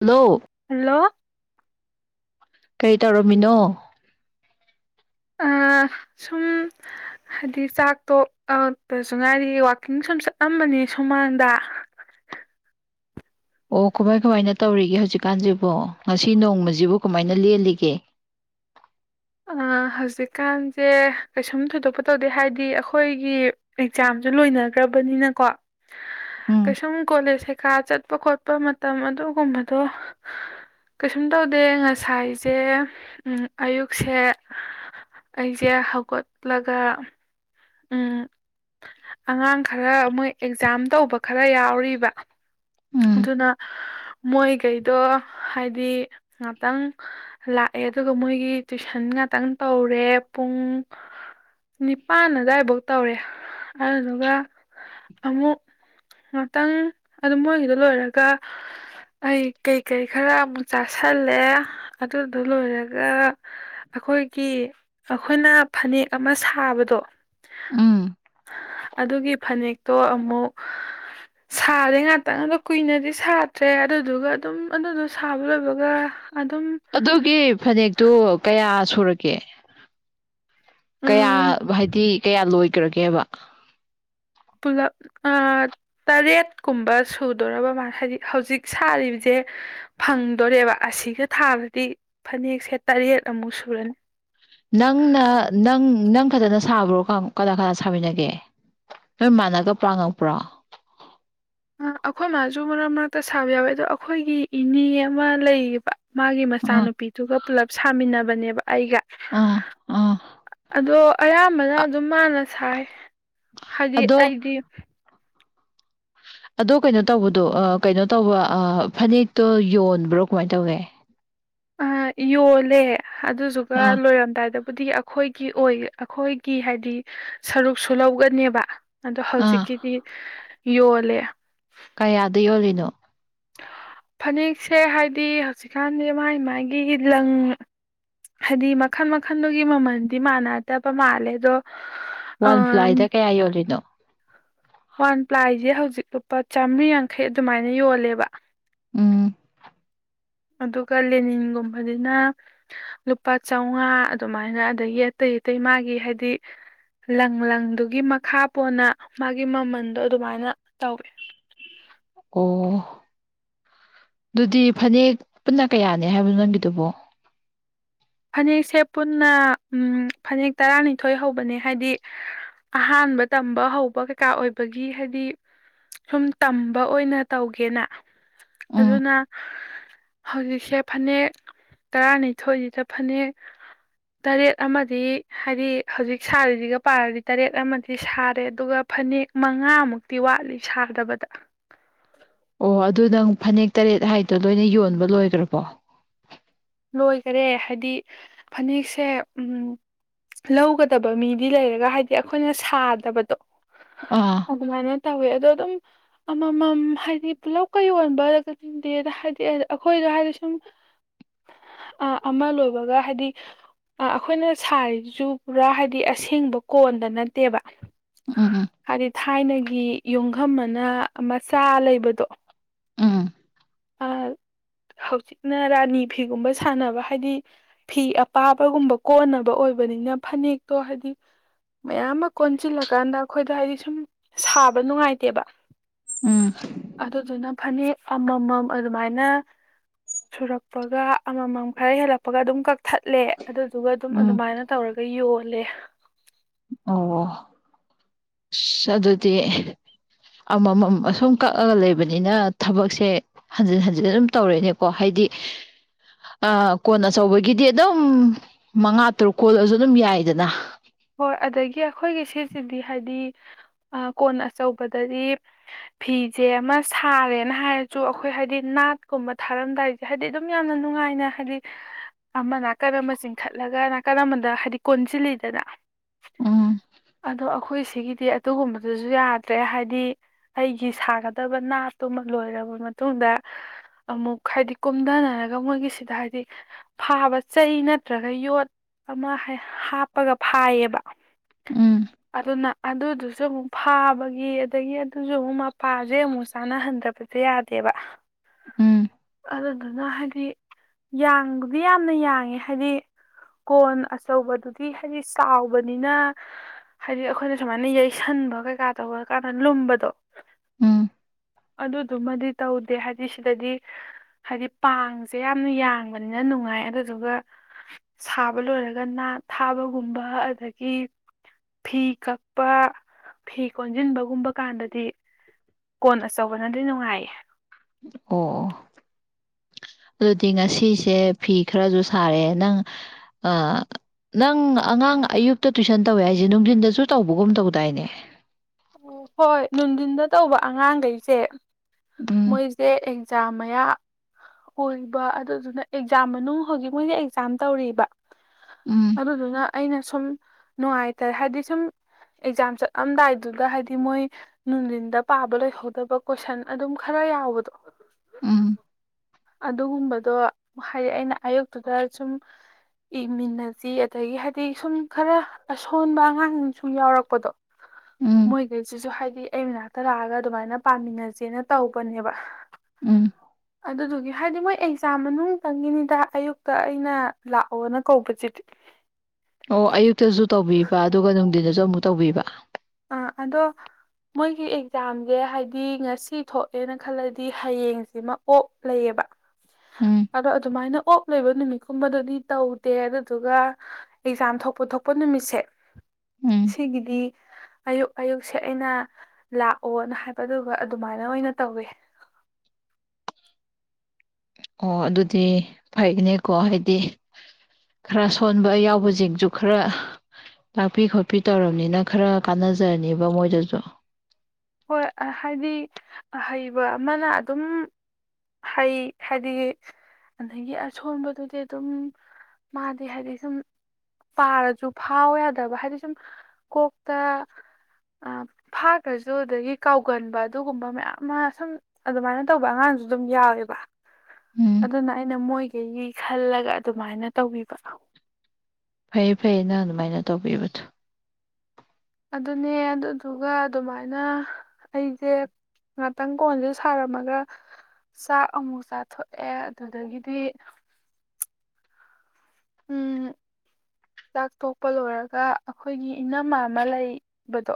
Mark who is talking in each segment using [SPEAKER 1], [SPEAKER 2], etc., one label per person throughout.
[SPEAKER 1] Hello
[SPEAKER 2] hello
[SPEAKER 1] ꯀꯔꯤ ꯇꯧꯔꯝꯃꯤꯅꯣ
[SPEAKER 2] ꯁꯨꯝ ꯍꯥꯏꯗꯤ ꯆꯥꯛ ꯇꯣꯛꯑꯛꯄꯁꯨ ꯉꯥꯏꯔꯤ ꯋꯥꯛꯀꯤꯡ ꯁꯨꯝ ꯆꯠꯂꯝꯝꯕꯅꯤ ꯁꯨꯃꯥꯡꯗ
[SPEAKER 1] ꯑꯣ ꯀꯃꯥꯏ ꯀꯃꯥꯏꯅ ꯇꯧꯔꯤꯒꯦ ꯍꯧꯖꯤꯛꯀꯥꯟꯁꯤꯕ ꯉꯁꯤ ꯅꯣꯡꯃꯁꯤꯕꯨ ꯀꯃꯥꯏꯅ ꯂꯦꯜꯂꯤꯒꯦ
[SPEAKER 2] ꯍꯧꯖꯤꯛꯀꯥꯟꯁꯦ ꯀꯩꯁꯨꯝ ꯊꯣꯏꯗꯣꯛꯄ ꯇꯧꯗꯦ ꯍꯥꯏꯗꯤ ꯑꯩꯈꯣꯏꯒꯤ ꯑꯦꯛꯖꯥꯝꯁꯨ ꯂꯣꯏꯅꯈ꯭ꯔꯕꯅꯤꯅꯀꯣ
[SPEAKER 1] ꯎꯝ
[SPEAKER 2] ꯀꯩꯁꯨꯝ ꯀꯣꯂꯦꯖ ꯀꯩꯀꯥ ꯆꯠꯄ ꯈꯣꯠ ꯆꯠꯄ ꯃꯇꯝ ꯑꯗꯨꯒꯨꯝꯕꯗꯣ ꯀꯩꯁꯨꯝ ꯇꯧꯗꯦ ꯉꯁꯥꯏꯁꯦ ꯑꯌꯨꯛ ꯁꯦ ꯑꯩꯁꯦ ꯍꯧꯒꯠꯂꯒ ꯎꯝ ꯑꯉꯥꯡ ꯈꯔ ꯃꯣꯏ ꯑꯦꯛꯖꯥꯝ ꯇꯧꯕ ꯈꯔ ꯌꯥꯎꯔꯤꯕ
[SPEAKER 1] ꯎꯝ
[SPEAKER 2] ꯑꯗꯨꯅ ꯃꯣꯏꯈꯩꯗꯣ ꯍꯥꯏꯗꯤ ꯉꯥꯛꯇꯪ ꯂꯥꯛꯑꯦ ꯑꯗꯨꯒ ꯃꯣꯏꯒꯤ ꯇꯨꯏꯁꯟ ꯉꯥꯛꯇꯪ ꯇꯧꯔꯦ ꯄꯨꯡ ꯅꯤꯄꯥꯥꯟ ꯑꯗꯥꯏꯐꯥꯎ ꯇꯧꯔꯦ ꯑꯗꯨꯗꯨꯒ ꯑꯃꯨꯛ ꯉꯥꯛꯇꯪ ꯑꯗꯨ ꯃꯣꯏꯒꯤꯗ ꯂꯣꯏꯔꯒ ꯑꯩ ꯀꯩꯀꯩ ꯈꯔ ꯑꯃꯨꯛ ꯆꯥꯥꯁꯜꯂꯦ ꯑꯗꯨꯗ ꯂꯣꯏꯔꯒ ꯑꯩꯈꯣꯏꯒꯤ ꯑꯩꯈꯣꯏꯅ ꯐꯅꯦꯛ ꯑꯃ ꯁꯥꯕꯗꯣ
[SPEAKER 1] ꯎꯝ
[SPEAKER 2] ꯑꯗꯨꯒꯤ ꯐꯅꯦꯛꯇꯣ ꯑꯃꯨꯛ ꯁꯥꯔꯦ ꯉꯥꯛꯇꯪ ꯑꯗ ꯀꯨꯏꯅꯗꯤ ꯁꯥꯇ꯭ꯔꯦ ꯑꯗꯨꯗꯨꯒ ꯑꯗꯨꯝ ꯑꯗꯨꯗꯣ ꯁꯥꯕ ꯂꯣꯏꯕꯒ ꯑꯗꯨꯝ
[SPEAKER 1] ꯑꯗꯨꯒꯤ ꯐꯅꯦꯛꯇꯣ ꯀꯌꯥ ꯁꯨꯔꯒꯦ ꯀꯌꯥ
[SPEAKER 2] ꯎꯝ
[SPEAKER 1] ꯍꯥꯏꯗꯤ ꯀꯌꯥ ꯂꯣꯏꯈ꯭ꯔꯒꯦꯕ
[SPEAKER 2] ꯄꯨꯂꯞ ꯇꯔꯦꯠꯀꯨꯝꯕ ꯁꯨꯗꯣꯔꯔꯕ ꯃꯥ ꯍꯥꯏꯗꯤ ꯍꯧꯖꯤꯛ ꯁꯥꯔꯤꯕꯁꯦ ꯐꯪꯗꯣꯔꯦꯕ ꯑꯁꯤꯒ ꯊꯥꯕꯗꯤ ꯐꯅꯦꯛꯁꯦ ꯇꯔꯦꯠ ꯑꯃꯨꯛ ꯁꯨꯔꯅꯤ
[SPEAKER 1] ꯅꯪꯅ ꯅꯪ ꯅꯪ ꯈꯛꯇꯅ ꯁꯥꯕ꯭ꯔꯣ ꯀꯅꯥ ꯀꯅꯥ ꯁꯥꯃꯤꯟꯅꯒꯦ ꯅꯣꯏ ꯃꯥꯟꯅꯒ ꯄ꯭ꯔꯥꯉꯛꯄ꯭ꯔꯣ
[SPEAKER 2] ꯑꯩꯈꯣꯏ ꯃꯥꯁꯨ ꯃꯔꯛ ꯃꯔꯛꯇ ꯁꯥꯕ ꯌꯥꯎꯋꯦ ꯑꯗꯣ ꯑꯩꯈꯣꯏꯒꯤ ꯏꯅꯦ ꯑꯃ ꯂꯩꯌꯦꯕ ꯃꯥꯒꯤ
[SPEAKER 1] ꯑꯥ
[SPEAKER 2] ꯃꯆꯥꯅꯨꯄꯤꯗꯨꯒ ꯄꯨꯂꯞ ꯁꯥꯃꯤꯟꯅꯕ ꯅꯦꯕ ꯑꯩꯒ
[SPEAKER 1] ꯑꯥ ꯑꯥ
[SPEAKER 2] ꯑꯗꯣ ꯑꯌꯥꯝꯕꯅ
[SPEAKER 1] ꯑ-
[SPEAKER 2] ꯑꯗꯨꯝ ꯃꯥꯥꯟꯅ ꯁꯥꯏ ꯍꯥꯏꯗꯤ
[SPEAKER 1] ꯑꯗꯣ
[SPEAKER 2] ꯑꯩꯗꯤ
[SPEAKER 1] ꯑꯗꯣ ꯀꯩꯅꯣ ꯇꯧꯕꯗꯣ ꯀꯩꯅꯣ ꯇꯧꯕ ꯐꯅꯦꯛꯇꯣ ꯌꯣꯟꯕ꯭ꯔꯣ ꯀꯃꯥꯏꯅ ꯇꯧꯏꯦ
[SPEAKER 2] ꯑ ꯌꯣꯂꯦ ꯑꯗꯨꯗꯨꯒ
[SPEAKER 1] ꯑꯥ
[SPEAKER 2] ꯂꯣꯏꯔꯝꯗꯥꯏꯗ ꯗꯤꯒꯤ ꯑꯩꯈꯣꯏꯒꯤ ꯑꯣꯏ ꯑꯩꯈꯣꯏꯒꯤ ꯍꯥꯏꯗꯤ ꯁꯔꯨꯛꯁꯨ ꯂꯧꯒꯅꯦꯕ ꯑꯗꯣ
[SPEAKER 1] ꯑꯥ
[SPEAKER 2] ꯍꯧꯖꯤꯛꯀꯤꯗꯤ ꯌꯣꯂꯦ
[SPEAKER 1] ꯀꯌꯥꯗ ꯌꯣꯜꯂꯤꯅꯣ
[SPEAKER 2] ꯐꯅꯦꯛꯁꯦ ꯍꯥꯏꯗꯤ ꯍꯧꯖꯤꯛꯀꯥꯟꯗꯤ ꯃꯥꯒꯤ ꯃꯥꯒꯤ ꯂꯪ ꯍꯥꯏꯗꯤ ꯃꯈꯜ ꯃꯈꯜꯗꯨꯒꯤ ꯃꯃꯜꯗꯤ ꯃꯥꯟꯅꯗꯕ ꯃꯥꯜꯂꯦ ꯑꯗꯣ
[SPEAKER 1] ꯋꯥꯟ ꯄ꯭ꯂꯥꯏꯗ
[SPEAKER 2] ꯑꯝ
[SPEAKER 1] ꯀꯌꯥ ꯌꯣꯜꯂꯤꯅꯣ
[SPEAKER 2] ꯋꯥꯟ ꯄ꯭ꯂꯥꯏꯁꯦ ꯍꯧꯖꯤꯛ ꯂꯨꯄꯥ ꯆꯥꯃꯔꯤ ꯌꯥꯡꯈꯩ ꯑꯗꯨꯃꯥꯏꯅ ꯌꯣꯜꯂꯦꯕ
[SPEAKER 1] ꯎꯝ
[SPEAKER 2] ꯑꯗꯨꯒ ꯂꯦꯅꯤꯟꯒꯨꯝꯕꯅꯤꯅ ꯂꯨꯄꯥ ꯆꯥꯝꯃꯉꯥ ꯑꯗꯨꯃꯥꯏꯅ ꯑꯗꯒꯤ ꯑꯇꯩ ꯑꯇꯩ ꯃꯥꯒꯤ ꯍꯥꯏꯗꯤ ꯂꯪ ꯂꯪꯗꯨꯒꯤ ꯃꯈꯥ ꯄꯣꯟꯅ ꯃꯥꯒꯤ ꯃꯃꯟꯗꯣ ꯑꯗꯨꯃꯥꯏꯅ ꯇꯧꯏꯤ
[SPEAKER 1] ꯑꯣ ꯑꯗꯨꯗꯤ ꯐꯅꯦꯛ ꯄꯨꯟꯅ ꯀꯌꯥꯅꯦ ꯍꯥꯏꯕꯅꯣ ꯅꯪꯒꯤꯗꯨꯕꯣ
[SPEAKER 2] ꯐꯅꯦꯛꯁꯦ ꯄꯨꯟꯅ ꯎꯝ ꯐꯅꯦꯛ ꯇꯔꯥꯅꯤꯊꯣꯏ ꯍꯧꯕꯅꯦ ꯍꯥꯏꯗꯤ ꯑꯍꯥꯟꯕ ꯇꯝꯕ ꯍꯧꯕ ꯀꯩꯀꯥ ꯑꯣꯏꯕꯒꯤ ꯍꯥꯏꯗꯤ ꯁꯨꯝ ꯇꯝꯕ ꯑꯣꯏꯅ ꯇꯧꯒꯦꯅ
[SPEAKER 1] ꯎꯝ
[SPEAKER 2] ꯑꯗꯨꯅ ꯍꯧꯖꯤꯛꯁꯦ ꯐꯅꯦꯛ ꯇꯔꯥꯅꯤꯊꯣꯏ ꯊ ꯐꯅꯦꯛ ꯇꯔꯦꯠ ꯑꯃꯗꯤ ꯍꯥꯏꯗꯤ ꯍꯧꯖꯤꯛ ꯁꯥꯔꯤꯁꯤꯒ ꯄꯥꯔꯗꯤ ꯇꯔꯦꯠ ꯑꯃꯗꯤ ꯁꯥꯔꯦ ꯑꯗꯨꯒ ꯐꯅꯦꯛ ꯃꯉꯥꯃꯨꯛꯇꯤ ꯋꯥꯠꯂꯤ ꯁꯥꯗꯕꯗ
[SPEAKER 1] ꯑꯣ ꯑꯗꯨ ꯅꯪ ꯐꯅꯦꯛ ꯇꯔꯦꯠ ꯍꯥꯏꯗꯣ ꯂꯣꯏꯅ ꯌꯣꯟꯕ ꯂꯣꯏꯈ꯭ꯔꯕꯣ
[SPEAKER 2] ꯂꯣꯏꯈꯔꯦ ꯍꯥꯏꯗꯤ ꯐꯅꯦꯛꯁꯦ ꯂꯧꯒꯗꯕ ꯃꯤꯗꯤ ꯂꯩꯔꯒ ꯍꯥꯏꯗꯤ ꯑꯩꯈꯣꯏꯅ ꯁꯥꯗꯕꯗꯣ
[SPEAKER 1] ꯑꯥ
[SPEAKER 2] ꯑꯗꯨꯃꯥꯏꯅ ꯇꯋꯦ ꯑꯗꯣ ꯑꯗꯨꯝ ꯑꯃꯃꯝ ꯍꯥꯏꯗꯤ ꯄꯨꯂꯞꯀ ꯌꯣꯟꯕꯗꯦꯗ ꯍꯥꯏꯗꯤ ꯑꯩꯈꯣꯏꯗ ꯍꯥꯏꯗꯤ ꯁꯨꯝ ꯑ ꯑꯃ ꯂꯣꯏꯕꯒ ꯍꯥꯏꯗꯤ ꯑꯩꯈꯣꯏꯅ ꯁꯥꯔꯤꯁꯤꯁꯨ ꯄꯨꯔꯥ ꯍꯥꯏꯗꯤ ꯑꯁꯦꯡꯕ ꯀꯣꯟꯗ ꯅꯠꯇꯦꯕ
[SPEAKER 1] ꯎꯝ ꯎꯝ
[SPEAKER 2] ꯍꯥꯏꯗꯤ ꯊꯥꯏꯅꯒꯤ ꯌꯣꯡꯈꯝ ꯑꯃꯅ ꯃꯆꯥ ꯂꯩꯕꯗꯣ
[SPEAKER 1] ꯎꯝ
[SPEAKER 2] ꯍꯧꯖꯤꯛꯅ ꯔꯥꯅꯤ ꯐꯤꯒꯨꯝꯕ ꯁꯥꯟꯅꯕ ꯍꯥꯏꯗꯤ ꯐꯤ ꯑꯄꯥꯕꯒꯨꯝꯕ ꯀꯣꯟꯅꯕ ꯑꯣꯏꯕꯅꯤꯅ ꯐꯅꯦꯛꯇꯣ ꯍꯥꯏꯗꯤ ꯃꯌꯥꯝ ꯑꯃ ꯀꯣꯟꯁꯤꯜꯂꯀꯥꯟꯗ ꯑꯩꯈꯣꯏꯗ ꯍꯥꯏꯗꯤ ꯁꯨꯝ ꯁꯥꯕ ꯅꯨꯡꯉꯥꯏꯇꯦꯕ
[SPEAKER 1] ꯎꯝ
[SPEAKER 2] ꯑꯗꯨꯗꯨꯅ ꯐꯅꯦꯛ ꯑꯝꯃꯝ ꯑꯗꯨꯃꯥꯏꯅ ꯁꯨꯔꯛꯄꯒ ꯑꯝꯃꯝ ꯈꯔ ꯍꯦꯜꯂꯛꯄꯒ ꯑꯗꯨꯝ ꯀꯛꯊꯠꯂꯦ ꯑꯗꯨꯗꯨꯒ ꯑꯗꯨꯝ
[SPEAKER 1] ꯎꯝ
[SPEAKER 2] ꯑꯗꯨꯃꯥꯏꯅ ꯇꯧꯔꯒ ꯌꯣꯜꯂꯦ
[SPEAKER 1] ꯑꯣ ꯑꯁ ꯑꯗꯨꯗꯤ ꯑꯝꯃꯝ ꯑꯁꯨꯝ ꯀꯛꯑꯒ ꯂꯩꯕꯅꯤꯅ ꯊꯕꯛꯁꯦ ꯍꯟꯖꯤꯟ ꯍꯟꯖꯤꯟ ꯑꯗꯨꯝ ꯇꯧꯔꯦꯅꯦꯀꯣ ꯍꯥꯏꯗꯤ ꯀꯣꯟ ꯑꯆꯧꯕꯒꯤꯗꯤ ꯑꯗꯨꯝ ꯃꯉꯥ ꯇꯔꯨꯛ ꯀꯣꯜꯂꯁꯨ ꯑꯗꯨꯝ ꯌꯥꯏꯗꯅ
[SPEAKER 2] ꯍꯣꯏ ꯑ ꯀꯣꯟ ꯑꯆꯧꯕꯗꯗꯤ ꯐꯤꯁꯦ ꯑꯃ ꯁꯥꯔꯦꯅ ꯍꯥꯏꯔꯁꯨ ꯑꯈꯣꯏ ꯍꯥꯏꯗꯤ ꯅꯥꯠꯀꯨꯝꯕ ꯊꯥꯔꯝꯗꯥꯏ ꯍꯥꯏꯗꯤ ꯑꯗꯨꯝ ꯌꯥꯝꯅ ꯅꯨꯡꯉꯥꯏꯅ ꯍꯥꯏꯗꯤ ꯑꯃ ꯅꯥꯀꯟ ꯑꯃꯗ ꯆꯤꯡꯈꯠꯂꯒ ꯅꯥꯀꯟ ꯑꯃꯗ ꯍꯥꯏꯗꯤ ꯀꯣꯟꯁꯤꯜꯂꯤꯗꯅ
[SPEAKER 1] ꯎꯝ
[SPEAKER 2] ꯑꯗꯣ ꯑꯈꯣꯏ ꯁꯤꯒꯤ ꯗꯤ ꯑꯗꯨꯒꯨꯝꯕꯗꯨꯁꯨ ꯌꯥꯗ꯭ꯔꯦ ꯍꯥꯏꯗꯤ ꯑꯩꯒꯤ ꯁꯥꯒꯗꯕ ꯅꯥꯠꯇꯨꯃꯥ ꯂꯣꯏꯔꯕ ꯃꯇꯨꯡꯗ ꯑꯃꯨꯛ ꯍꯥꯏꯗꯤ ꯀꯨꯝꯗꯅꯔꯒ ꯃꯣꯏꯒꯤꯁꯤꯗ ꯍꯥꯏꯗꯤ ꯐꯥꯕ ꯆꯩ ꯅꯠꯇ꯭ꯔꯒ ꯌꯣꯠ ꯑꯃ ꯍꯩ ꯍꯥꯞꯄꯒ ꯐꯥ ꯑꯥꯏꯌꯦꯕ
[SPEAKER 1] ꯎꯝ
[SPEAKER 2] ꯑꯗꯨꯅ ꯑꯗꯨꯗꯨ ꯨꯁꯨꯃꯨꯛ ꯐꯥꯕꯒꯤ ꯑꯗꯒꯤ ꯑꯗꯨꯁꯨ ꯑꯃꯨꯛ ꯃꯄꯥꯁꯦ ꯑꯃꯨꯛ ꯆꯥꯅꯍꯟꯗ꯭ꯔꯕꯁꯦ ꯌꯥꯗꯦꯕ
[SPEAKER 1] ꯎꯝ
[SPEAKER 2] ꯑꯗꯨꯗꯨꯅ ꯍꯥꯏꯗꯤ ꯌꯥꯡꯕꯗꯤ ꯌꯥꯝꯅ ꯌꯥꯡꯉꯦ ꯍꯥꯏꯗꯤ ꯀꯣꯟ ꯑꯆꯧꯕꯗꯨꯗꯤ ꯍꯥꯏꯗꯤ ꯆꯥꯎꯕꯅꯤꯅ ꯍꯥꯏꯗꯤ ꯑꯈꯣꯏꯅ ꯁꯨꯃꯥꯏꯅ ꯌꯩꯁꯟꯕ ꯀꯩꯀꯥ ꯇꯧꯕꯀꯥꯟꯗ ꯂꯨꯝꯕꯗꯣ
[SPEAKER 1] ꯎꯝ
[SPEAKER 2] ꯑꯗꯨꯗꯨꯃꯗꯤ ꯇꯧꯗꯦ ꯍꯥꯏꯗꯤ ꯁꯤꯗꯗꯤ ꯍꯥꯏꯗꯤ ꯄꯥꯡꯁꯦ ꯌꯥꯝꯅ ꯌꯥꯡꯕꯅꯤꯅ ꯅꯨꯡꯉꯥꯏ ꯑꯗꯨꯗꯨꯒ ꯁꯥꯕ ꯂꯣꯏꯔꯒ ꯅꯥꯠ ꯊꯥꯕꯒꯨꯝꯕ ꯑꯗꯒꯤ ꯐꯤ ꯀꯛꯄ ꯐꯤ ꯀꯣꯟꯖꯤꯟꯕꯒꯨꯝꯕ ꯀꯥꯟꯗꯗꯤ ꯀꯣꯟ ꯑꯆꯧꯕꯅꯗꯤ ꯅꯨꯉꯥꯏꯌꯦ
[SPEAKER 1] ꯑꯣ ꯑꯣ ꯑꯗꯨꯗꯤ ꯉꯁꯤꯁꯦ ꯐꯤ ꯈꯔꯁꯨ ꯁꯥꯔꯦ, ꯅꯪ ꯑꯥ ꯅꯪ ꯑꯉꯥꯡ ꯑꯌꯨꯛꯇ ꯇꯨꯏꯁꯟ ꯇꯧꯋꯦ ꯍꯥꯏꯁꯦ ꯅꯨꯡꯗꯤꯟꯗꯁꯨ ꯇꯧꯕꯒꯨꯝ ꯇꯧꯗꯥꯏꯅꯦ?
[SPEAKER 2] ꯑꯣ ꯍꯣꯏ ꯅꯨꯡꯗꯤꯟꯗ ꯇꯧꯕ ꯑꯉꯥꯡꯒꯩꯁꯦ
[SPEAKER 1] ꯎꯝ
[SPEAKER 2] ꯃꯣꯏꯁꯦ ꯑꯛ ꯖꯥꯝ ꯃꯌꯥ ꯑꯣꯏꯕ ꯑꯗꯨꯗꯨꯅ ꯑꯦꯛꯖꯥꯝ ꯃꯅꯨꯡ ꯍꯧꯖꯤꯛ ꯃꯣꯏꯁꯦ ꯑꯦꯛꯖꯥꯝ ꯇꯧꯔꯤꯕ
[SPEAKER 1] ꯎꯝ
[SPEAKER 2] ꯑꯗꯨꯗꯨꯅ ꯑꯩꯅ ꯁꯨꯝ ꯅꯨꯉꯥꯏꯇꯔꯦ ꯍꯥꯏꯗꯤ ꯁꯨꯝ ꯑꯦꯛꯖꯥꯝ ꯆꯠꯂꯝꯗꯥꯏ ꯑꯗꯨꯗ ꯍꯥꯏꯗꯤ ꯃꯣꯏ ꯅꯨꯡꯗꯤꯟꯗ ꯄꯥꯕ ꯂꯣꯏꯍꯧꯗꯕ ꯀꯣꯏꯁꯟ ꯑꯗꯨꯝ ꯈꯔ ꯌꯥꯎꯕꯗꯣ
[SPEAKER 1] ꯎꯝ
[SPEAKER 2] ꯑꯗꯨꯒꯨꯝꯕꯗꯣ ꯍꯥꯏꯗꯤ ꯑꯩꯅ ꯑꯌꯨꯛꯇꯨꯗ ꯁꯨꯝ ꯏꯃꯤꯟꯅꯁꯤ ꯑꯗꯒꯤ ꯍꯥꯏꯗꯤ ꯁꯨꯝ ꯈꯔ ꯑꯁꯣꯟꯕ ꯑꯉꯥꯡ ꯁꯨꯝ ꯌꯥꯎꯔꯛꯄꯗꯣ
[SPEAKER 1] ꯎꯝ
[SPEAKER 2] ꯃꯣꯏꯒꯩꯁꯤꯁꯨ ꯍꯥꯏꯗꯤ ꯑꯩꯩꯃꯅꯛ ꯇꯂꯥꯛꯑꯒ ꯑꯗꯨꯃꯥꯏꯅ ꯄꯥꯃꯤꯟꯅꯖꯦꯅ ꯇꯧꯕꯅꯦꯕ
[SPEAKER 1] ꯎꯝ
[SPEAKER 2] ꯑꯗꯨꯗꯨꯒꯤ ꯍꯥꯏꯗꯤ ꯃꯣꯏ ꯑꯦꯛꯖ ꯖꯥꯝ ꯃꯅꯨꯡꯇꯪꯒꯤꯅꯤꯗ ꯑꯌꯨꯛꯇ ꯑꯩꯅ ꯂꯥꯛꯑꯣꯅ ꯀꯧꯕꯁꯤꯗꯤ꯫
[SPEAKER 1] ꯑꯣ ꯑꯌꯨꯛꯇꯁꯨ ꯇꯧꯕꯤꯕ ꯑꯗꯨꯒ ꯅꯨꯡꯗꯤꯟ ꯗꯁ ꯖꯥ ꯃꯨꯛ ꯇꯧꯕꯤꯕ?
[SPEAKER 2] ꯑꯥ ꯑꯗꯣ ꯃꯣꯏꯒꯤ ꯑꯦꯛꯖꯥꯝꯁꯦ ꯍꯥꯏꯗꯤ ꯉꯁꯤ ꯊꯣꯛꯑꯦꯅ ꯈꯜꯂꯗꯤ ꯍꯥꯌꯦꯡꯁꯤꯃ ꯑꯣꯞ ꯂꯩꯌꯦꯕ
[SPEAKER 1] ꯎꯝ
[SPEAKER 2] ꯑꯗꯣ ꯑꯗꯨꯃꯥꯏꯅ ꯑꯣꯞ ꯂꯩꯕ ꯅꯨꯃꯤꯠ ꯀꯨꯝꯕꯗꯗꯤ ꯇꯧꯗꯦ ꯑꯗꯨꯗꯨꯒ ꯑꯦꯛꯖꯥꯝ ꯊꯣꯛꯄ ꯊꯣꯛꯄ ꯅꯨꯃꯤꯠꯁꯦ
[SPEAKER 1] ꯎꯝ
[SPEAKER 2] ꯁꯤꯒꯤꯗꯤ ꯑꯌꯨꯛ ꯑꯌꯨꯛꯁꯦ ꯑꯩꯅ ꯂꯥꯛꯑꯣꯅ ꯍꯥꯏꯕ ꯑꯗꯨꯒ ꯑꯗꯨꯃꯥꯏꯅ ꯑꯣꯏꯅ ꯇꯧꯋꯦ꯫
[SPEAKER 1] ꯑꯣ ꯑꯗꯨꯗꯤ ꯐꯩꯅꯦꯀꯣ ꯍꯥꯏꯗꯤ ꯈꯔ ꯁꯣꯟꯕ ꯌꯥꯎꯕꯁꯤꯡꯁꯨ ꯈꯔ ꯇꯥꯛꯄꯤ ꯈꯣꯠꯄꯤ ꯇꯧꯔꯕꯅꯤꯅ ꯈꯔ ꯀꯥꯟꯅꯖꯔꯅꯤꯕ ꯃꯣꯏꯗꯁꯨ
[SPEAKER 2] ꯍꯣꯏ ꯍꯥꯏꯗꯤ ꯍꯩꯕ ꯑꯃꯅ ꯑꯗꯨꯝ ꯍꯩ ꯍꯥꯏꯗꯤ ꯑꯗꯒꯤ ꯑꯁꯣꯟꯕꯗꯨꯗꯤ ꯑꯗꯨꯝ ꯃꯥꯗꯤ ꯍꯥꯏꯗꯤ ꯁꯨꯝ ꯄꯥꯔꯖꯨ ꯐꯥꯎ ꯌꯥꯗꯕ ꯍꯥꯏꯗꯤ ꯁꯨꯝ ꯀꯣꯛꯇ ꯐꯥꯈ꯭ꯔꯁꯨ ꯑꯗꯨ ꯑꯗꯒꯤ ꯀꯥꯎꯒꯟꯕ ꯑꯗꯨꯒꯨꯝꯕ ꯃꯌꯥꯝ ꯑꯃ ꯁꯨꯝ ꯑꯗꯨꯃꯥꯏꯅ ꯇꯧꯕ ꯑꯉꯥꯡꯁꯨ ꯑꯗꯨꯝ ꯌꯥꯎꯋꯦꯕ
[SPEAKER 1] ꯎꯝ
[SPEAKER 2] ꯑꯗꯨꯅ ꯑꯩꯅ ꯃꯣꯏ ꯀꯩꯒꯤ ꯈꯜꯂꯒ ꯑꯗꯨꯃꯥꯏꯅ ꯇꯧꯕꯤꯕ꯫
[SPEAKER 1] ꯐꯩꯌꯦ ꯐꯩꯌꯦ ꯅꯪ ꯑꯗꯨꯃꯥꯏꯅ ꯇꯧꯕꯤꯕꯗꯣ꯫
[SPEAKER 2] ꯑꯗꯨꯅꯦ ꯑꯗꯨꯗꯨꯒ ꯑꯗꯨꯃꯥꯏꯅ ꯑꯩꯁꯦ ꯉꯥꯛꯇꯪ ꯀꯣꯟꯁꯦ ꯁꯥꯔꯝꯃꯒ ꯆꯥꯛ ꯑꯃꯨꯛ ꯆꯥꯊꯣꯛꯑꯦ ꯑꯗꯨꯗꯒꯤꯗꯤ ꯎꯝ ꯆꯥꯛ ꯇꯣꯛꯄ ꯂꯣꯏꯔꯒ ꯑꯩꯈꯣꯏꯒꯤ ꯏꯅꯝꯃ ꯑꯃ ꯂꯩꯕꯗꯣ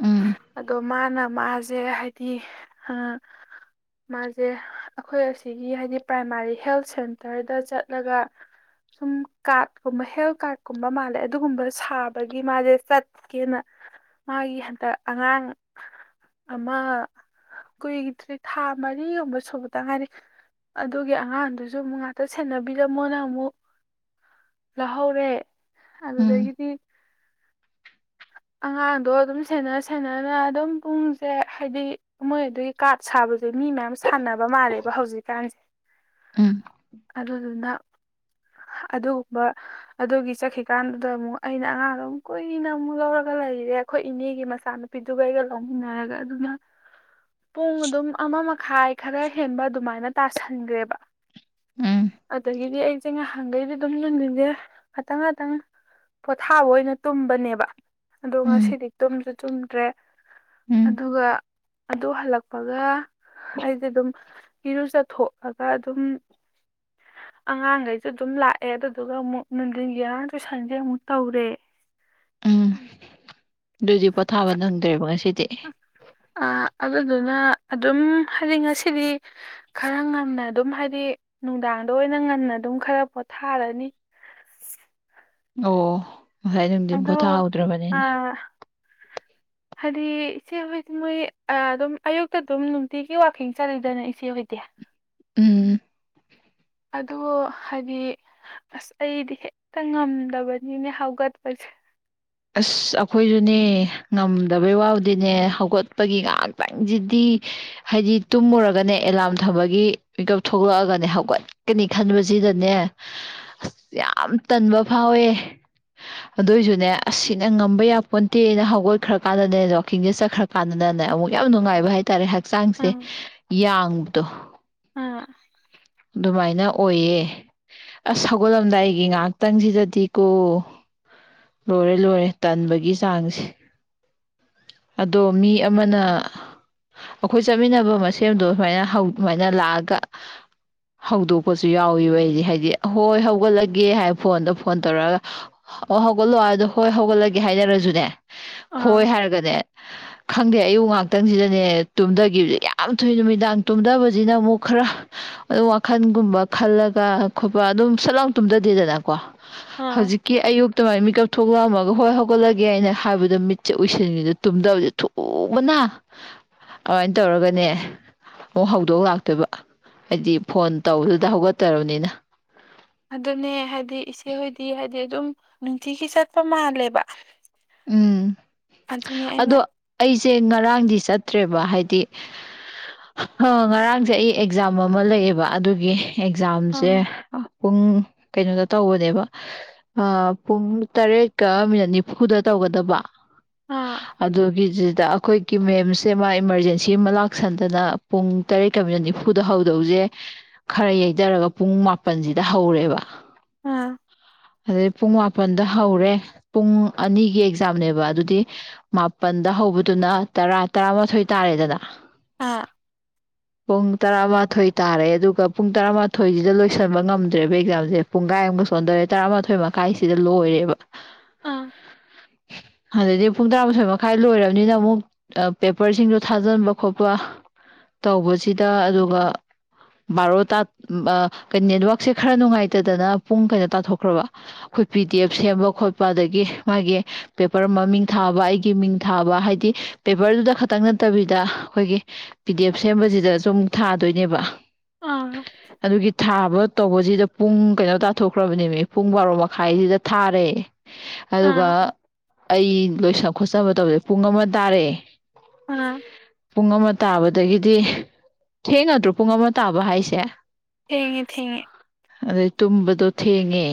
[SPEAKER 1] ꯎꯝ
[SPEAKER 2] ꯑꯗꯣ ꯃꯥꯅ ꯃꯥꯁꯦ ꯍꯥꯏꯗꯤ ꯑ ꯃꯥꯁꯦ ꯑꯩꯈꯣꯏ ꯑꯁꯤꯒꯤ ꯍꯥꯏꯗꯤ ꯄ꯭ꯔꯥꯏꯃꯥꯔꯤ ꯍꯦꯜꯠ ꯁꯦꯟꯇꯔꯗ ꯆꯠꯂꯒ ꯁꯨꯝ ꯀꯥꯔꯠ ꯀꯨꯝꯕ ꯍꯦꯜ ꯀꯥꯔꯠ ꯀꯨꯝꯕ ꯃꯥꯜꯂꯦ ꯑꯗꯨꯒꯨꯝꯕ ꯁꯥꯕꯒꯤ ꯃꯥꯁꯦ ꯆꯠꯀꯦꯅ, ꯃꯥꯒꯤ ꯍꯟꯗꯛ ꯑꯉꯥꯡ ꯑꯃ ꯀꯨꯏꯗ꯭ꯔꯤ ꯊꯥ ꯃꯔꯤꯒꯨꯝꯕ ꯁꯨꯕ ꯇꯥ ꯉꯥꯏꯔꯤ, ꯑꯗꯨꯒꯤ ꯑꯉꯥꯡꯗꯨꯁꯨ ꯑꯃꯨꯛ ꯉꯥꯛꯇ ꯁꯦꯟꯅꯕꯤꯔꯝꯃꯣꯅ ꯑꯃꯨꯛ ꯂꯥꯍꯧꯔꯦ
[SPEAKER 1] ꯎꯝ
[SPEAKER 2] ꯑꯗꯨꯗꯒꯤꯗꯤ ꯑꯉꯥꯡꯗꯣ ꯑꯗꯨꯝ ꯁꯦꯟꯅ ꯁꯦꯟꯅꯅ ꯑꯗꯨꯝ ꯄꯨꯡꯁꯦ ꯍꯥꯏꯗꯤ ꯃꯣꯏ ꯑꯗꯨꯒꯤ ꯀꯥꯔꯗ ꯁꯥꯕꯁꯦ ꯃꯤ ꯃꯌꯥꯝ ꯁꯥꯅꯕ ꯃꯥꯜꯂꯦꯕ ꯍꯧꯖꯤꯛꯀꯥꯟꯁꯦ
[SPEAKER 1] ꯎꯝ
[SPEAKER 2] ꯑꯗꯨꯗꯨꯅ ꯑꯗꯨꯒꯨꯝꯕ ꯑꯗꯨꯒꯤ ꯆꯠꯈꯤꯀꯥꯟꯗꯨꯗ ꯑꯃꯨꯛ ꯑꯩꯅ ꯑꯉꯥꯡꯗꯨ ꯑꯃꯨꯛ ꯀꯨꯏꯅ ꯑꯃꯨꯛ ꯂꯧꯔꯒ ꯂꯩꯔꯦ ꯑꯩꯈꯣꯏ ꯏꯅꯦꯒꯤ ꯃꯆꯥꯅꯨꯄꯤꯗꯨꯒ ꯑꯩꯒ ꯂꯧꯃꯤꯟꯅꯔꯒ ꯑꯗꯨꯅ ꯄꯨꯡ ꯑꯗꯨꯝ ꯑꯃ ꯃꯈꯥꯏ ꯈꯔ ꯍꯦꯟꯕ ꯑꯗꯨꯃꯥꯏꯅ ꯇꯥꯁꯟꯒ꯭ꯔꯦꯕ
[SPEAKER 1] ꯎꯝ
[SPEAKER 2] ꯑꯗꯒꯤꯗꯤ ꯑꯩꯁꯦ ꯉꯍꯥ ꯥꯡꯒꯩꯗꯤ ꯑꯗꯨꯝ ꯅꯨꯡꯗꯤꯟꯁꯦ ꯉꯥꯇꯪ ꯉꯥꯇꯪ ꯄꯣꯊꯥꯕ ꯑꯣꯏꯅ ꯇꯨꯝꯕꯅꯦꯕ ꯑꯗꯣ
[SPEAKER 1] ꯎꯝ
[SPEAKER 2] ꯉꯁꯤꯗꯤ ꯇꯨꯝꯁꯨ ꯇꯩꯝꯗ꯭ꯔꯦ
[SPEAKER 1] ꯎꯝ
[SPEAKER 2] ꯑꯗꯨꯒ ꯑꯗꯨ ꯍꯜꯂꯛꯄꯒ ꯑꯩꯁꯦ ꯑꯗꯨꯝ ꯏꯔꯨꯖꯊꯣꯛꯑꯒ ꯑꯗꯨꯝ ꯑꯉꯥꯡꯈꯩꯁꯨ ꯑꯗꯨꯝ ꯂꯥꯛꯑꯦ ꯑꯗꯨꯗꯨꯒ ꯑꯃꯨꯛ ꯅꯨꯡꯊꯤꯟꯒꯤ ꯑꯉꯥꯡ ꯇꯨꯏꯁꯟꯁꯦ ꯑꯃꯨꯛ ꯇꯧꯔꯦ
[SPEAKER 1] ꯎꯝ ꯑꯗꯨꯗꯤ ꯄꯣꯊꯥꯕ ꯅꯪꯗ꯭ꯔꯦꯕ ꯉꯁꯤ
[SPEAKER 2] ꯑ ꯑꯗꯨ ꯑꯗꯨꯅ ꯑꯗꯨꯝ ꯍꯥꯏꯗꯤ ꯉꯁꯤꯗꯤ ꯈꯔ ꯉꯟꯅ ꯑꯗꯨꯝ ꯍꯥꯏꯗꯤ ꯅꯨꯡꯗꯥꯡꯗ ꯑꯣꯏꯅ ꯉꯟꯅ ꯑꯗꯨꯝ ꯈꯔ ꯄꯣꯊꯥꯔꯅꯤ
[SPEAKER 1] ꯑꯣ ꯉꯁꯥꯏ ꯅꯨꯡꯗꯤꯟ
[SPEAKER 2] ꯑꯗꯣ
[SPEAKER 1] ꯄꯣꯊꯥꯍꯧꯗ꯭ꯔꯕꯅꯤꯅ
[SPEAKER 2] ꯑꯥ ꯍꯥꯏꯗꯤ ꯏꯆꯦ ꯍꯣꯏꯗꯤ ꯃꯣꯏ ꯑꯗꯨꯝ ꯑꯌꯨꯛꯇ ꯑꯗꯨꯝ ꯅꯨꯡꯇꯤꯒꯤ ꯋꯥꯀꯤꯡ ꯆꯠꯂꯤꯗꯅ ꯏꯆꯦ ꯍꯣꯏꯗꯤ
[SPEAKER 1] ꯎꯝ
[SPEAKER 2] ꯑꯗꫭ ꯍꯥꯏꯗꯤ ꯑꯁ ꯑꯩꯗꯤ ꯍꯦꯛꯇ ꯉꯝꯗꯕꯅꯤꯅꯦ ꯍꯧꯒꯠꯄꯁꯦ
[SPEAKER 1] ꯑꯁ ꯑꯩꯈꯣꯏꯁꯨ ꯅꯦ ꯉꯝꯗꯕꯩ ꯋꯥꯕꯨꯗꯤꯅꯦ ꯍꯧꯒꯠꯄꯒꯤ ꯉꯍꯥꯛꯇꯪꯁꯤꯗꯤ ꯍꯥꯏꯗꯤ ꯇꯨꯝꯃꯨꯔꯒꯅꯦ ꯑꯦꯂꯥꯔꯝ ꯊꯝꯕꯒꯤ ꯃꯤꯀꯞ ꯊꯣꯛꯂꯛꯑꯒꯅꯦ ꯍꯧꯒꯠꯀꯅꯤ ꯈꯟꯕꯁꯤꯗꯅꯦ ꯑꯁ ꯌꯥꯝ ꯇꯟꯕ ꯐꯥꯎꯋꯦ ꯑꯗꯨꯏꯁꯨꯅꯦ ꯑꯁꯤꯅ ꯉꯝꯕ ꯌꯥꯄꯣꯟꯇꯦꯅ ꯍꯧꯒꯠꯈ꯭ꯔ ꯀꯥꯟꯗꯅꯦ ꯋꯥꯛꯀꯤꯡꯁꯦ ꯆꯠ꯭ꯔ ꯀꯥꯟꯗꯅꯦ ꯑꯃꯨꯛ ꯌꯥꯝ ꯅꯨꯡꯉꯥꯏꯕ ꯍꯥꯏ ꯇꯔꯦ ꯍꯛꯆꯥꯡꯁꯦ
[SPEAKER 2] ꯑꯥ
[SPEAKER 1] ꯌꯥꯡꯕ ꯇꯣ
[SPEAKER 2] ꯑꯥ
[SPEAKER 1] ꯑꯗꯨꯃꯥꯏꯅ ꯑꯣꯏꯌꯦ ꯑꯁ ꯍꯧꯒꯠ ꯂꯝꯗꯥꯏꯒꯤ ꯉꯍꯥꯛꯇꯪꯁꯤꯗꯗꯤꯀꯣ ꯂꯣꯏꯔꯦ ꯂꯣꯏꯔꯦ ꯇꯟꯕꯒꯤ ꯆꯥꯡꯁꯦ ꯑꯗꯣ ꯃꯤ ꯑꯃꯅ ꯑꯩꯈꯣꯏ ꯆꯠꯃꯤꯟꯅꯕ ꯃꯁꯦꯝꯗꯣ ꯁꯨꯃꯥꯏꯅ ꯍꯧ ꯁꯨꯃꯥꯏꯅ ꯂꯥꯛꯑꯒ ꯍꯧꯗꯣꯛꯄꯁꯨ ꯌꯥꯎꯋꯦꯕ ꯑꯩꯗꯤ ꯍꯥꯏꯗꯤ ꯍꯣꯏ ꯍꯧꯒꯠꯂꯒꯦ ꯍꯥꯏ ꯐꯣꯟꯗ ꯐꯣꯟ ꯇꯧꯔꯛꯑꯒ ꯑꯣ ꯍꯧꯒꯠꯂꯣ ꯍꯥꯏꯗꯣ ꯍꯣꯏ ꯍꯧꯒꯠꯂꯒꯦ ꯍꯥꯏꯅꯔꯁꯨꯅꯦ ꯍꯣꯏ
[SPEAKER 2] ꯑꯥ
[SPEAKER 1] ꯍꯥꯏꯔꯒꯅꯦ ꯈꯪꯗꯦ ꯑꯌꯨꯛ ꯉꯥꯛꯇꯪꯁꯤꯗꯅꯦ ꯇꯨꯝꯙꯒꯤꯕꯁꯦ ꯌꯥꯝ ꯊꯨꯏ ꯅꯨꯃꯤꯗꯥꯡ ꯇꯨꯝꯊꯕꯁꯤꯅ ꯑꯃꯨꯛ ꯈꯔ ꯑꯗꯨꯝ ꯋꯥꯈꯜꯒꯨꯝꯕ ꯈꯜꯂꯒ ꯈꯣꯠꯄ ꯑꯗꯨꯝ ꯁꯠꯂꯥꯎ ꯇꯨꯝꯗꯗꯦꯗꯅꯀꯣ
[SPEAKER 2] ꯑꯥ
[SPEAKER 1] ꯍꯧꯖꯤꯛꯀꯤ ꯑꯌꯨꯛꯇ ꯃꯥꯏ ꯃꯤꯀꯞ ꯊꯣꯛꯂꯛ ꯑꯝꯃꯒ ꯍꯣꯏ ꯍꯧꯒꯠꯂꯒꯦ ꯍꯥꯏꯅ ꯍꯥꯏꯕꯗꯣ ꯃꯤꯠꯁꯦ ꯎꯏꯁꯤꯟ ꯒꯤꯕꯗ ꯇꯨꯝꯗꯕꯁꯦ ꯊꯨꯕꯅ ꯑꯃꯥꯏꯅ ꯇꯧꯔꯒꯅꯦ ꯑꯃꯨꯛ ꯍꯧꯗꯣꯛ ꯂꯥꯛꯇꯣꯏꯕ ꯍꯥꯏꯗꯤ ꯐꯣꯟ ꯇꯧꯕꯗꯨꯗ ꯍꯧꯒꯠꯇꯔꯕꯅꯤꯅ
[SPEAKER 2] ꯑꯗꯨꯅꯦ ꯍꯥꯏꯗꯤ ꯏꯆꯦꯍꯣꯏꯗꯤ ꯍꯥꯏꯗꯤ ꯑꯗꯨꯝ ꯅꯨꯡꯇꯤꯒꯤ ꯆꯠꯄ ꯃꯥꯜꯂꯦꯕ
[SPEAKER 1] ꯎꯝ
[SPEAKER 2] ꯑꯗꯅꯦ ꯑꯩꯅ
[SPEAKER 1] ꯁꯦ ꯉꯔꯥꯡꯗꯤ ꯆꯠꯇ꯭ꯔꯦꯕ ꯍꯥꯏꯗꯤ ꯉꯔꯥꯡꯁꯦ ꯑꯩ ꯑꯦꯛꯖꯥꯝ ꯑꯃ ꯂꯩꯌꯦꯕꯥ ꯑꯗꯨꯒꯤ ꯑꯦꯛꯖꯥꯝꯁꯦ
[SPEAKER 2] ꯑꯥ
[SPEAKER 1] ꯄꯨꯡ ꯀꯩꯅꯣꯗ ꯇꯧꯕꯅꯦꯕ ꯄꯨꯡ ꯇꯔꯦꯠꯀ ꯃꯤꯅꯠ ꯅꯤꯐꯨꯗ ꯇꯧꯒꯗꯕꯥ
[SPEAKER 2] ꯑꯥ
[SPEAKER 1] ꯑꯗꯨꯗꯒꯤꯖꯤꯗꯥ ꯑꯩꯈꯣꯏꯒꯤ ꯃꯦꯝꯁꯦ ꯃꯥ ꯏꯃꯥꯔꯖꯦꯟꯁꯤ ꯑꯃ ꯂꯥꯛꯁꯟꯗꯅ ꯄꯨꯡ ꯇꯔꯦꯠꯀ ꯃꯤꯅꯠ ꯅꯤꯐꯨꯗ ꯍꯧꯗꯧꯁꯦ ꯈꯔ ꯌꯩꯊꯔꯒ ꯄꯨꯡ ꯃꯥꯄꯜꯁꯤꯗ ꯍꯧꯔꯦꯕ
[SPEAKER 2] ꯑꯝ
[SPEAKER 1] ꯑꯗꯨꯗꯩ ꯄꯨꯡ ꯃꯥꯄꯜꯗ ꯍꯧꯔꯦ ꯄꯨꯡ ꯑꯅꯤ ꯒꯤ ꯑꯦꯛꯖꯥꯝꯅꯦꯕ ꯑꯗꯨꯗꯤ ꯃꯥꯄꯜꯗ ꯍꯧꯕꯗꯨꯅ ꯇꯔꯥ ꯇꯔꯥꯃꯥꯊꯣꯏ ꯇꯥꯔꯦꯗꯅ
[SPEAKER 2] ꯑꯥ
[SPEAKER 1] ꯄꯨꯡ ꯇꯔꯥꯃꯥꯊꯣꯏ ꯇꯥꯔꯦ ꯑꯗꯨꯒ ꯄꯨꯡ ꯇꯔꯥꯃꯥꯊꯣꯏꯁꯤꯗ ꯂꯣꯏꯁꯤꯟꯕ ꯉꯝꯗ꯭ꯔꯦꯕ ꯑꯦꯛꯖꯥꯝꯁꯦ ꯄꯨꯡ ꯀꯥꯏ ꯑꯃꯨꯒ ꯆ‌ꯣꯟꯗꯣꯔꯦ ꯇꯔꯥꯃꯥꯊꯣꯏ ꯃꯈꯥꯏꯁꯤꯗ ꯂꯣꯏꯔꯦꯕ
[SPEAKER 2] ꯑꯥ
[SPEAKER 1] ꯑꯗꯨꯗꯗꯤ ꯄꯨꯡ ꯇꯔꯥꯃꯊꯣꯏ ꯃꯈꯥꯏ ꯂꯣꯏꯔꯕꯅꯤꯅ ꯑꯃꯨꯛ ꯄꯦꯄꯔꯁꯤꯡꯗꯣ ꯊꯥꯖꯤꯟꯕ ꯈꯣꯠꯄ ꯇꯧꯕꯁꯤꯗ ꯑꯗꯨꯒ ꯕꯥꯔꯣ ꯅꯦꯠꯋꯥꯛꯛꯁꯦ ꯈꯔ ꯅꯨꯡꯉꯥꯏꯇꯗꯅ ꯄꯨꯡ ꯀꯩꯅꯣ ꯇꯥꯊꯣꯛꯈ꯭ꯔꯕ ꯑꯩꯈꯣꯏ ꯄꯤ ꯗꯤ ꯑꯦꯐ ꯁꯦꯝꯕ ꯈꯣꯠꯄ ꯑꯗꯒꯤ ꯃꯥꯒꯤ ꯄꯦꯄꯔ ꯑꯃ ꯃꯤꯡ ꯊꯥꯕ ꯑꯩꯒꯤ ꯃꯤꯡ ꯊꯥꯕ ꯍꯥꯏꯗꯤ ꯄꯦꯄꯔꯗꯨꯗ ꯈꯛꯇꯪ ꯅꯠꯇꯕꯤꯗ ꯑꯩꯈꯣꯏꯒꯤ ꯄꯤꯗꯤ ꯑꯦꯐ ꯁꯦꯝꯕꯁꯤꯗ ꯁꯨꯝ ꯊꯥꯗꯣꯏꯅꯦꯕ
[SPEAKER 2] ꯑꯥ
[SPEAKER 1] ꯑꯗꯨꯒꯤ ꯊꯥꯕ ꯇꯧꯕꯁꯤꯗ ꯄꯨꯡ ꯀꯩꯅꯣ ꯇꯥꯊꯣꯛꯈ꯭ꯔꯕꯅꯦꯃꯤ ꯄꯨꯡ ꯕꯥꯔꯣ ꯃꯈꯥꯏꯁꯤꯗ ꯊꯥꯔꯦ ꯑꯗꯨꯒ
[SPEAKER 2] ꯑꯥ
[SPEAKER 1] ꯑꯩ ꯂꯣꯏꯁ ꯈꯣꯠꯆꯕ ꯇꯧꯁꯦ ꯄꯨꯡ ꯑꯃ ꯇꯥꯔꯦ
[SPEAKER 2] ꯑꯥ
[SPEAKER 1] ꯄꯨꯡ ꯑꯃꯥ ꯇꯕ ꯑꯗꯒꯤꯗꯤ ꯊꯦꯡꯉꯗ꯭ꯔꯣ ꯄꯨꯡ ꯑꯃ ꯇꯥꯕ ꯍꯥꯏꯁꯦ
[SPEAKER 2] ꯊꯦꯡꯉꯦ ꯊꯦꯡꯉꯦ
[SPEAKER 1] ꯑꯗꯩ ꯇꯨꯝꯕꯗꯣ ꯊꯦꯡꯉꯦ